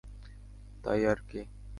তাই আর কি!